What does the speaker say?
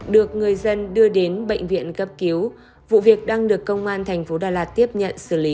được người dân đưa đến bệnh viện cấp cứu vụ việc đang được công an thành phố đà lạt tiếp nhận xử lý